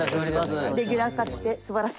レギュラー化してすばらしいです。